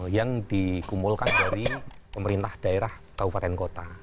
yang dikumpulkan dari pemerintah daerah kabupaten kota